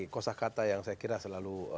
kosa kata yang saya kira selalu